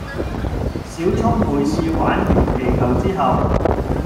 小聰每次玩完皮球之後